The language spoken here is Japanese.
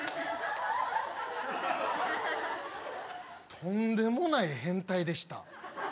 とんでもない変態でした。